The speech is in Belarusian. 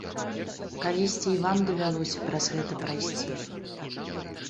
Калісьці і вам давялося праз гэта прайсці.